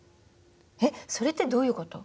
えっそれってどういう事？